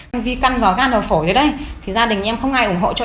em di căn vào gan và phổi rồi đấy thì gia đình em không ai ủng hộ cho